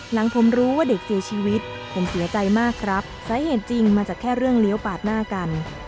หลังผมรู้ว่าเด็กเสียชีวิตผมเสียใจมากครับสาเหตุจริงมาจากแค่เรื่องเลี้ยวปาดหน้ากัน